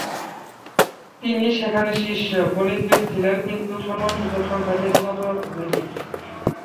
তিনি সেখানে শীর্ষ গণিতবিদ ছিলেন, কিন্তু সম্মানসূচক সংখ্যা দিয়ে স্নাতক হয়নি।